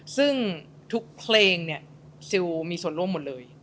ซึ่งทุกเพลงเนี่ยซิลมีส่วนร่วมหมดเลย